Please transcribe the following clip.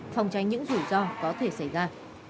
phòng tranh những rủi ro có thể xảy ra